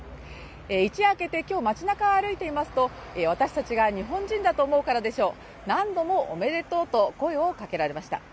一夜明けて今日街なかを歩いてみますと、私たちが日本人だと思うからでしょう、何度も、おめでとうと声をかけられました。